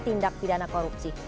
tindak pidana korupsi